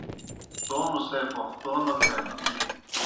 توموْ سے پوختَو نہ تھینَن۔